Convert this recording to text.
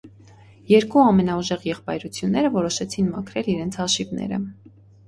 Երկու ամենաուժեղ եղբայրություները որոշեցին մաքրել իրենց հաշիվները։